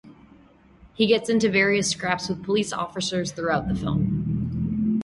He gets into various scraps with police officers throughout the film.